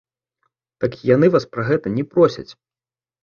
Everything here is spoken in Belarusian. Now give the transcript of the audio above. Так, яны вас пра гэта не просяць.